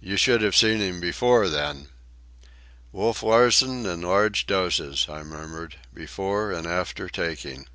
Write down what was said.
"You should have seen him before, then." "Wolf Larsen, in large doses," I murmured, "before and after taking."